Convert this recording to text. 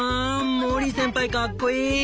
モリー先輩かっこいい！